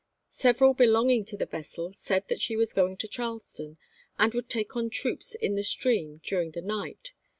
Several be longing to the vessel said that she was going to Charleston, and would take on troops in the stream during the night.